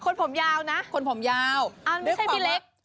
คนผมยาวนะคนผมยาวได้ความว่าอ้าวนี่ไม่ใช่พี่เล็ก